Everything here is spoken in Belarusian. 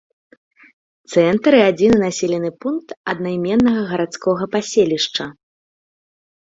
Цэнтр і адзіны населены пункт аднайменнага гарадскога паселішча.